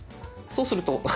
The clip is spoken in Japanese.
そうすると。